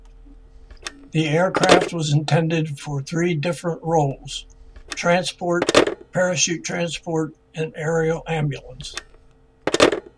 The aircraft was intended for three different roles; transport, parachute transport and aerial ambulance.